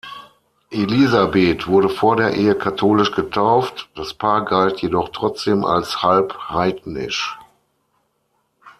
Elisabeth wurde vor der Ehe katholisch getauft, das Paar galt jedoch trotzdem als halb-heidnisch.